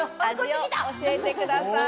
味を教えてください。